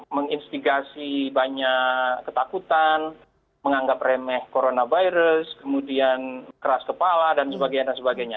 menginstigasi banyak ketakutan menganggap remeh coronavirus kemudian keras kepala dan sebagainya